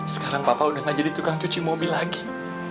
sekarang papa udah gak jadi tukang cuci mobil lagi